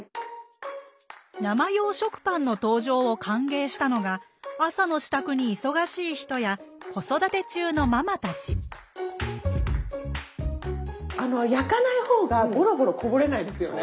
生用食パンの登場を歓迎したのが朝の支度に忙しい人や子育て中のママたち焼かない方がボロボロこぼれないですよね。